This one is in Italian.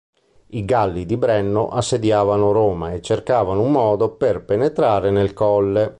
I Galli di Brenno assediavano Roma e cercavano un modo per penetrare nel colle.